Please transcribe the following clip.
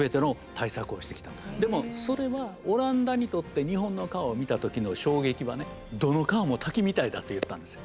でもそれはオランダにとって日本の川を見た時の衝撃はねどの川も滝みたいだって言ったんですよ。